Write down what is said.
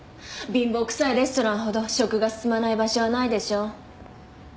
貧乏くさいレストランほど食が進まない場所はないでしょう